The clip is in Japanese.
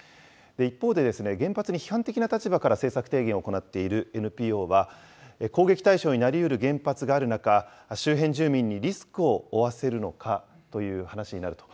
一方で、原発に批判的な立場から政策提言を行っているＮＰＯは、攻撃対象になりうる原発がある中、周辺住民にリスクを負わせるのかという話になると。